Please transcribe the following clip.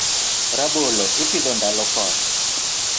Rabolo ipidho ndalo koth.